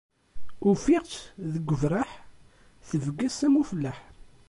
Uffiɣ-tt deg ubraḥ, tebges am ufellaḥ